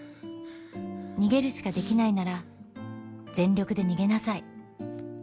逃げるしかできないなら全力で逃げなさい。